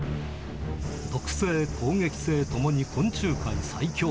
毒性、攻撃性ともに昆虫界最強。